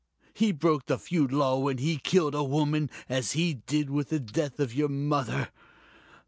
He broke the feud law when he killed a woman, as he did with the death of your mother.